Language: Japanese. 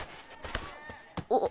あっ。